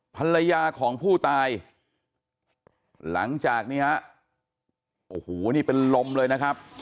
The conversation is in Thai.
ภรรยาของผู้ตายหลังจากนี้ฮะโอ้โหนี่เป็นลมเลยนะครับ